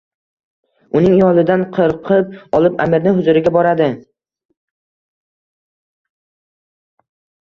Uning yolidan qirqib olib amirni huzuriga boradi.